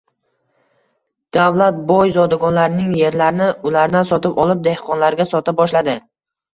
Davlat boy zodagonlarning yerlarini ulardan sotib olib, dehqonlarga sota boshladi.